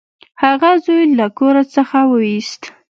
هغه زوی له کور څخه وویست.